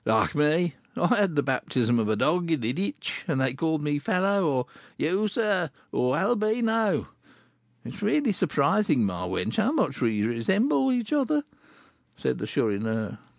"Like me. I had the baptism of a dog in a ditch, and they called me 'Fellow,' or 'You, sir,' or 'Albino.' It is really surprising, my wench, how much we resemble each other!" said the Chourineur.